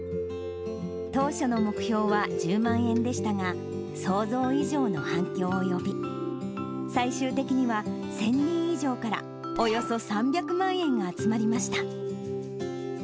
当初の目標は１０万円でしたが、想像以上の反響を呼び、最終的には１０００人以上から、およそ３００万円が集まりました。